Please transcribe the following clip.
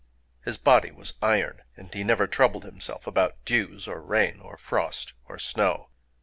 His body was iron; and he never troubled himself about dews or rain or frost or snow.